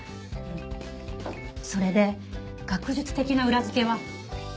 それで学術的な裏付けは？